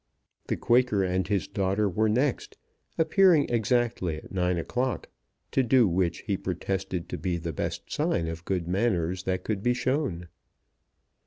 The Quaker and his daughter were next, appearing exactly at nine o'clock, to do which he protested to be the best sign of good manners that could be shown.